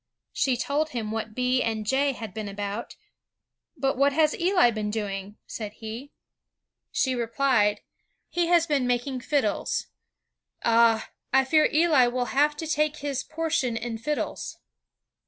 She told him what B. and J. had been about. 'But what has Eli been doing?' said he. She repUed, 'He has been ELI WHITNEY IO9 making fiddles.' *Ah! I fear Eli will have to take his portion in fiddles!'"